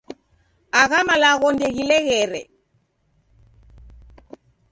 Agha malagho ndeghileghere.